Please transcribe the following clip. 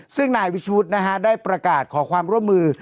ซึ่งนายวิชุดนะฮะได้ประกาศขอความร่วมมือ